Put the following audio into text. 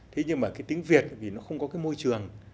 thế nhưng mà cái tiếng việt vì nó không có cái môi trường